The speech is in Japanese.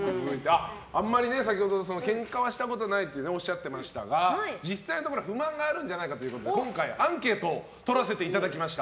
先ほどケンカはあまりしたことないとおっしゃってましたが実際のところ不満があるんじゃないかというところで今回、アンケートを取らせていただきました。